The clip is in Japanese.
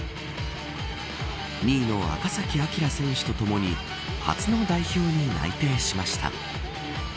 ２位の赤崎暁選手とともに初の代表に内定しました。